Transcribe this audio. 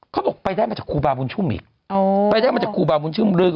เขาบอกไปได้มาจากครูบาบุญชุ่มอีกไปได้มาจากครูบาบุญชุ่มลึก